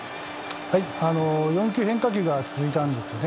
４球変化球が続いたんですね。